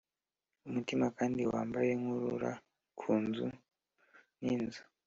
umutima kandi wambaye nkurura ku nzu n'inzu.